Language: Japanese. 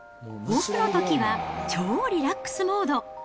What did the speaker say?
オフのときは超リラックスモード。